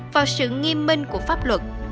vào sự nghiêm minh của pháp luật